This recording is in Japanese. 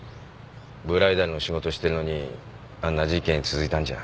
ブライダルの仕事してるのにあんな事件続いたんじゃ。